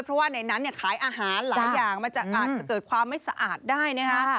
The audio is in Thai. เพราะว่าในนั้นเนี่ยขายอาหารหลายอย่างมันจะอาจจะเกิดความไม่สะอาดได้นะคะ